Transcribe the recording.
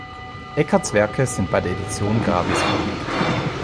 Eckerts Werke sind bei der Edition Gravis verlegt.